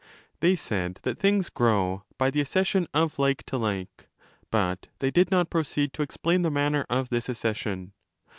They said that things grow 'by the accession of like to like', but they did not proceed to explain the manner of this accession.